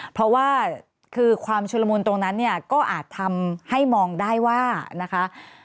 เพราะว่าคือความชุลมุนตรงนั้นเนี่ยก็อาจทำให้มองได้ว่านะคะ